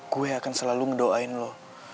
gue akan selalu mendoain lo